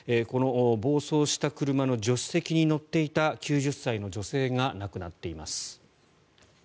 暴走した車の助手席に乗っていた９０歳の女性が亡くなっています。